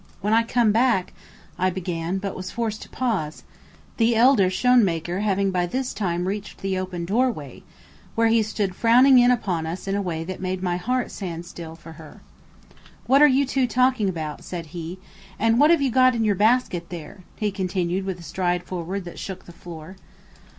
"When I come back," I began, but was forced to pause, the elder Schoenmaker having by this time reached the open doorway where he stood frowning in upon us in a way that made my heart stand still for her. "What are you two talking about?" said he; "and what have you got in your basket there?" he continued with a stride forward that shook the floor.